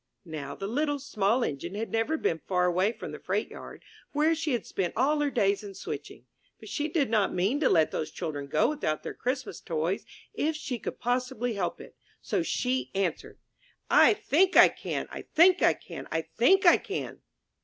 '' Now the Little, Small Engine had never been far away from the freight yard, where she had spent all her days in switching, but she did not mean to let those children go without their Christmas toys if she could possibly help it, so she answered: ''I think I can! I think I can! I think I can!"